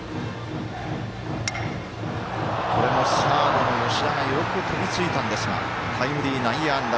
これもサードの吉田がよく飛びついたんですがタイムリー内野安打。